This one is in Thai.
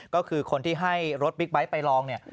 ก็คือคนที่ให้รถบิ๊กไบท์ไปลองเนี่ย